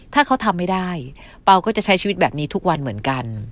ถ้าเขาทำไม่ได้เปล่าก็จะใช้ชีวิตแบบนี้ทุกวันเหมือนกัน